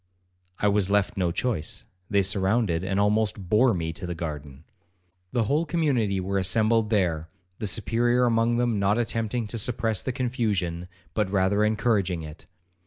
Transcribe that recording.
I was left no choice; they surrounded and almost bore me to the garden. 'The whole community were assembled there, the Superior among them not attempting to suppress the confusion, but rather encouraging it.